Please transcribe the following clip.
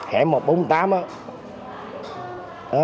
hẻ một trăm bốn mươi tám á